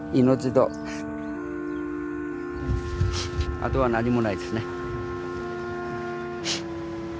あとは何もないですね。